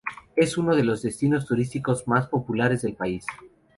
Es uno de los destinos turísticos más populares del país.